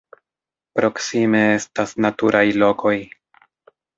Proksime estas naturaj lokoj.